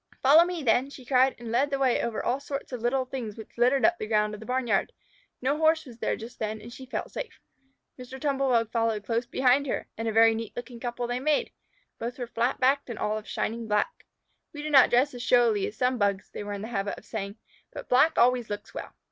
"Follow me then," she cried, and led the way over all sorts of little things which littered up the ground of the barnyard. No Horse was there just then, and she felt safe. Mr. Tumble bug followed close behind her, and a very neat looking couple they made. Both were flat backed and all of shining black. "We do not dress so showily as some Bugs," they were in the habit of saying, "but black always looks well."